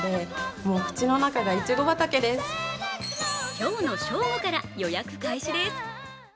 今日の正午から予約開始です。